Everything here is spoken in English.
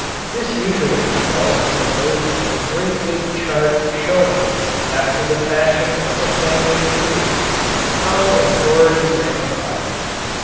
This usually results in the birth of a great big chart showing, after the fashion of a family tree, how authority ramifies.